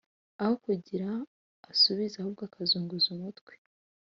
aho kugira asubize ahubwo akazunguza umutwe